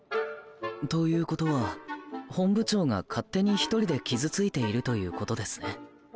ということは本部長が勝手に一人で傷ついているということですね。